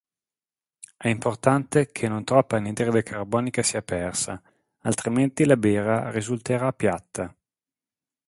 È importante che non troppa anidride carbonica sia persa, altrimenti la birra risulterà "piatta".